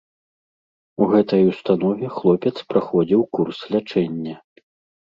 У гэтай установе хлопец праходзіў курс лячэння.